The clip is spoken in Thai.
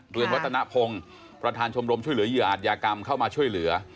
เรืองรัตนพงศ์ประธานชมรมช่วยเหลือเหยื่ออาจยากรรมเข้ามาช่วยเหลือ